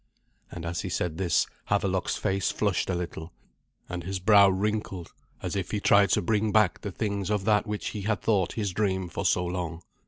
And as he said this, Havelok's face flushed a little, and his brow wrinkled as if he tried to bring back the things of that which he had thought his dream for so long.